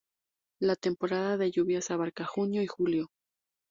La temporada de lluvias abarca junio y julio.